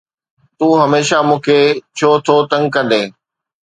تون هميشه مون کي ڇو ٿو تنگ ڪندين؟